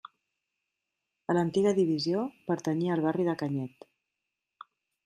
A l'antiga divisió, pertanyia al barri de Canyet.